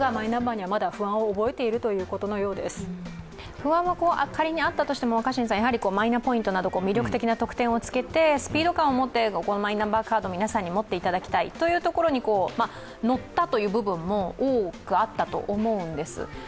不安は仮にあったとしても、マイナポイントなど魅力的な特典をつけてスピード感を持ってマイナンバーカードを皆さんに持っていただきたいというところに乗ったという部分も多くあったと思うんです。